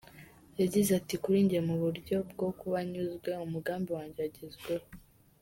Yagize ati “Kuri njye, mu buryo bwo kuba nyuzwe, umugambi wanjye wagezweho.